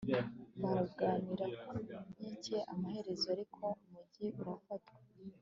barwanira ku nkike, amaherezo ariko umugi urafatwa